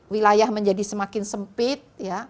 wilayah menjadi semakin sempit